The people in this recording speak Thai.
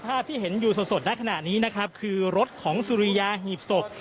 ภาพที่เห็นอยู่สดในขณะนี้นะครับคือรถของสุริยาหีบศพ